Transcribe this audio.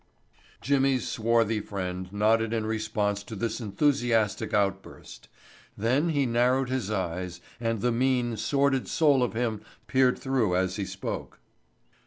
Jimmy's swarthy friend nodded in response to this enthusiastic outburst. Then he narrowed his eyes and the mean, sordid soul of him peered through them as he spoke.